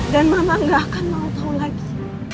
dan mama nggak akan mau tahu lagi